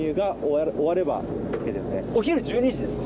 お昼１２時ですか？